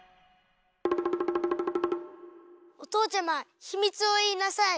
おとうちゃまひみつをいいなさい。